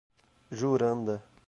Juranda